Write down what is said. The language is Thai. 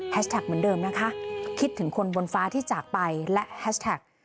เหมือนเดิมนะคะคิดถึงคนบนฟ้าที่จากไปและแฮชแท็ก